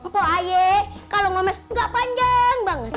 kok ayah kalo memet ga panjang banget